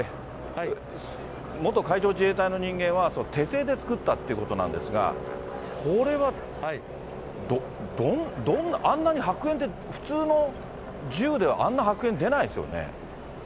元海上自衛隊の人間は手製で作ったっていうことなんですが、これは、あんなに白煙って、普通の銃であんな白煙、出ないですよね。